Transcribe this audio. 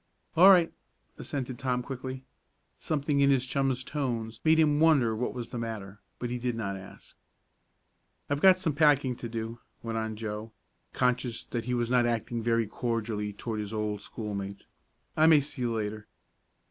"All right," assented Tom quickly. Something in his chum's tones made him wonder what was the matter, but he did not ask. "I've got some packing to do," went on Joe, conscious that he was not acting very cordially toward his old schoolmate. "I may see you later."